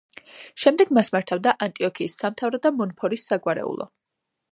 შემდეგ მას მართავდა ანტიოქიის სამთავრო და მონფორის საგვარეულო.